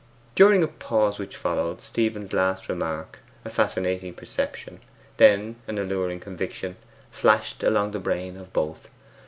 During a pause which followed Stephen's last remark, a fascinating perception, then an alluring conviction, flashed along the brain of both.